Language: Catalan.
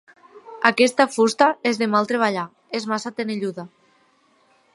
Aquesta fusta és de mal treballar: és massa tenelluda.